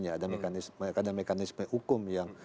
ada mekanisme hukum yang